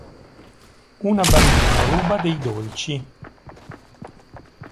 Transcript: Una bambina ruba dei dolci.